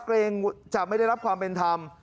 เกรงจะไม่ได้รับความเป็นธรรม